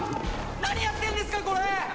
何やってんですかこれ！